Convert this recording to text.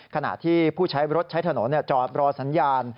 ขณะที่ผู้ใช้รถใช้ถนนจอดรอสัญญาณ